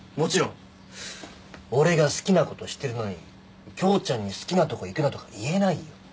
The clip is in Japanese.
俺が好きなことしてるのにキョウちゃんに好きなとこ行くなとか言えないよ。